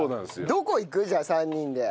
どこ行く？じゃあ３人で。